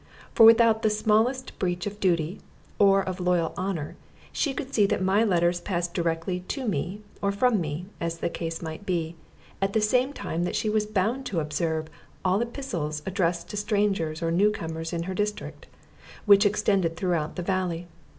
For without the smallest breach of duty or of loyal honor she could see that my letters passed direct to me or from me, as the case might be, at the same time that she was bound to observe all epistles addressed to strangers or new comers in her district, which extended throughout the valley.